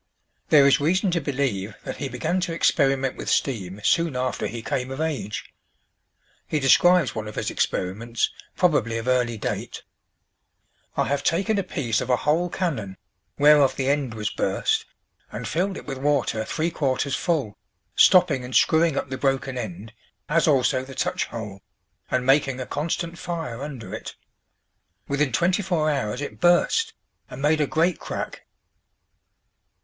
There is reason to believe that he began to experiment with steam soon after he came of age. He describes one of his experiments, probably of early date: "I have taken a piece of a whole cannon, whereof the end was burst, and filled it with water three quarters full, stopping and screwing up the broken end, as also the touch hole, and making a constant fire under it. Within twenty four hours it burst, and made a great crack."